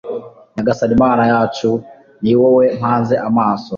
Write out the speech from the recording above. nyagasani mana yacu, ni wowe mpanze amaso